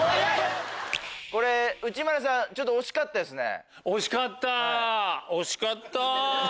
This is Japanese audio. これ内村さん惜しかったですね。